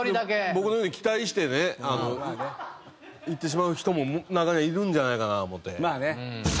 僕のように期待してね行ってしまう人も中にはいるんじゃないかな思って。